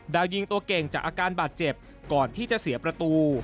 ดาวยิงตัวเก่งจากอาการบาดเจ็บก่อนที่จะเสียประตู